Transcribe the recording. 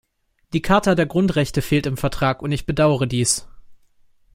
Die Charta der Grundrechte fehlt im Vertrag, und ich bedauere dies.